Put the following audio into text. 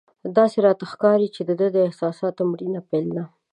داسې ښکاري چې د ده د احساساتو مړینه پیل ده.